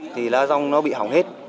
thì lá rong nó bị hỏng hết